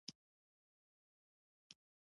دا د عوایدو او مصارفو وړاندوینه وه.